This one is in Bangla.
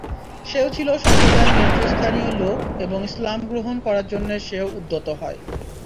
সেও ছিল সম্প্রদায়ের নেতৃস্থানীয় লোক এবং ইসলাম গ্রহণ করার জন্যে সেও উদ্যত হয়।